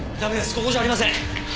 ここじゃありません。